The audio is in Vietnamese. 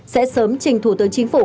sẽ sớm trình thủ tới chính phủ